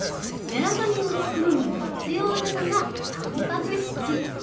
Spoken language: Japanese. メラトニンをつくるのに必要なのがたんぱく質。